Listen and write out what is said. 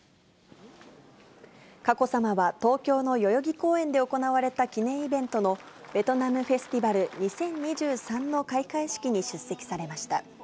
佳子さまは東京の代々木公園で行われた記念イベントのベトナムフェスティバル２０２３の開会式に出席されました。